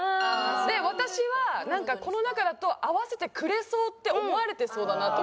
で私はこの中だと合わせてくれそうって思われてそうだなと思って。